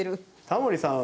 タモリさん